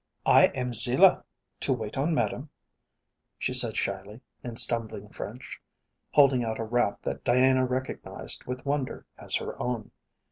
"I am Zilah, to wait on Madame," she said shyly in stumbling French, holding out a wrap that Diana recognised with wonder as her own.